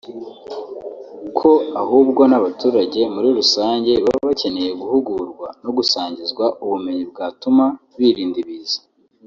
ko ahubwo n’abaturage muri rusange baba bakeneye guhugurwa no gusangizwa ubumenyi bwatuma birinda ibiza